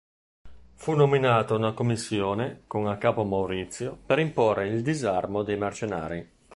Fu nominata una commissione, con a capo Maurizio, per imporre il disarmo dei mercenari.